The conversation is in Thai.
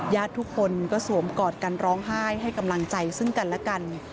ญาติทุกคนก็สวมกอดกันร้องไห้ให้กำลังใจซึ่งกันและกัน